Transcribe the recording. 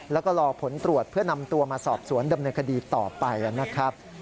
แล้วก็รอผลตรวจเพื่อนำตัวมาสอบสวนดำเนินคดีต่อไปนะครับ